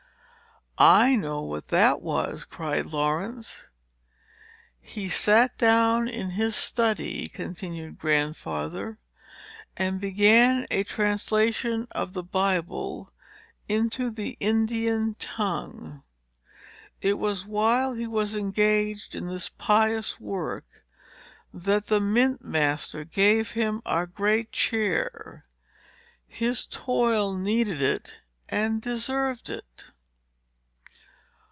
"I know what that was!" cried Laurence. "He sat down in his study," continued Grandfather, "and began a translation of the Bible into the Indian tongue. It was while he was engaged in this pious work, that the mint master gave him our great chair. His toil needed it, and deserved it."